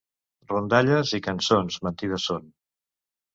Rondalles i cançons mentides són.